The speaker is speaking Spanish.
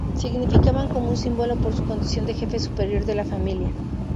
Significaban como un símbolo por su condición de jefe superior de la familia.